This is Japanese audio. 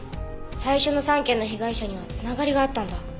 最初の３件の被害者にはつながりがあったんだ。